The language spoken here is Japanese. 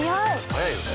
早いよね。